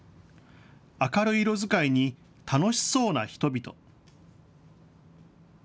明るい色使いに楽しそうな人々。